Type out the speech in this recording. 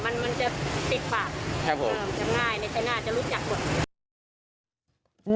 มันมันจะติดปากครับผมจะง่ายในใครน่าจะรู้จักหมด